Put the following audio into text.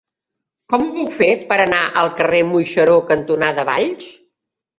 Com ho puc fer per anar al carrer Moixeró cantonada Valls?